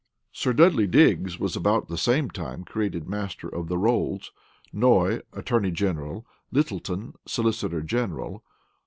Sir Dudley Digges was about the same time created master of the rolls; Noy, attorney general; Littleton, solicitor general.